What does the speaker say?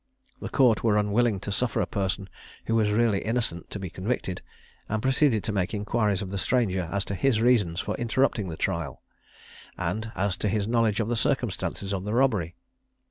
The Court were unwilling to suffer a person who was really innocent to be convicted, and proceeded to make inquiries of the stranger as to his reasons for interrupting the trial, and as to his knowledge of the circumstances of the robbery.